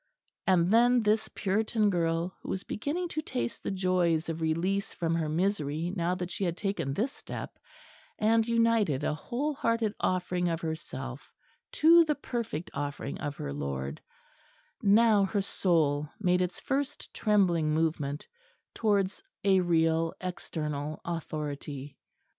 And then this Puritan girl, who was beginning to taste the joys of release from her misery now that she had taken this step, and united a whole hearted offering of herself to the perfect Offering of her Lord now her soul made its first trembling movement towards a real external authority.